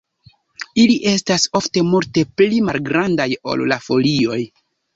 Ili estas ofte multe pli malgrandaj ol la folioj.